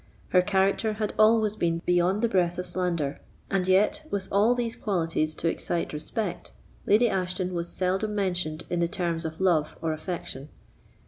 Her character had always been beyond the breath of slander. And yet, with all these qualities to excite respect, Lady Ashton was seldom mentioned in the terms of love or affection.